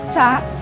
ya udah oke